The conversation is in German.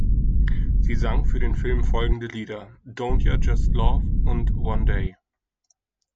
Sie sang für den Film folgende Lieder: "Don’t ya just Love" und "One Day".